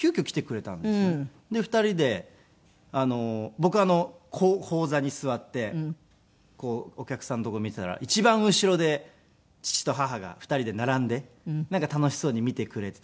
僕は高座に座ってお客さんの所を見ていたら一番後ろで父と母が２人で並んでなんか楽しそうに見てくれていたんですけど。